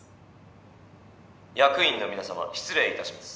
役員の皆さま失礼いたします。